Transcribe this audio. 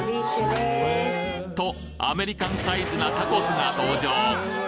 とアメリカンサイズなタコスが登場！